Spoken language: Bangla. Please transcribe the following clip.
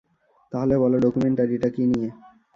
তাহলে বলো, ডকুমেন্টারিটা কী নিয়ে?